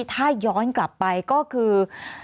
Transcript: ถ้าย้อนกลับไปก็คือ